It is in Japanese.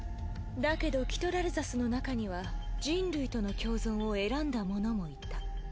だけどキトラルザスの中には人類との共存を選んだ者もいた。